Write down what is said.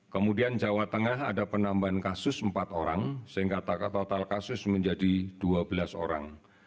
kemudian jawa tengah ada penambahan kasus empat orang sehingga total kasus menjadi dua belas orang